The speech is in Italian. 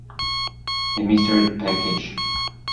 The Mysterious Package